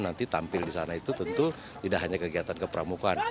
nanti tampil di sana itu tentu tidak hanya kegiatan kepramukan